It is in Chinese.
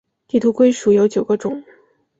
地图龟属有九个种。